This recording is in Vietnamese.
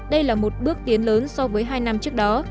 đây là một bước tiến lớn so với hai năm trước đó